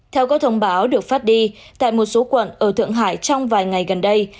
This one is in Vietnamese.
theo các thông báo được phát đi tại một số quận ở thượng hải trong vài ngày gần đây